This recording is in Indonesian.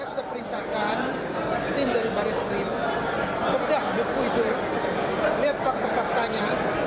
saya sudah perintahkan tim dari barreskrim pedah buku itu lihat fakta faktanya